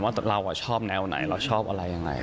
เราชอบแนวไหนเราชอบอะไรยังไง